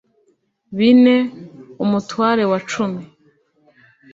bine umutware wa cumi